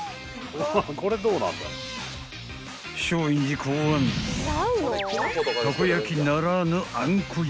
［松陰寺考案たこ焼ならぬあんこ焼］